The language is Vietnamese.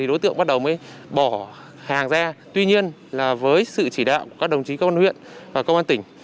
đối tượng bắt đầu mới bỏ hàng ra tuy nhiên với sự chỉ đạo của các đồng chí công an huyện và công an tỉnh